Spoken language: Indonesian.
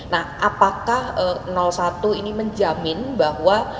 nah apakah satu ini menjamin bahwa